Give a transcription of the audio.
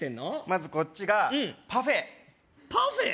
まずこっちがパフェパフェ？